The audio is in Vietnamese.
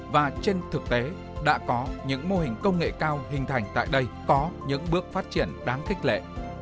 và trên thực tế đã có những mô hình công nghệ cao hình thành tại đây có những bước phát triển đáng khích lệ